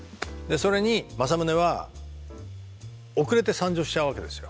それに政宗は遅れて参上しちゃうわけですよ。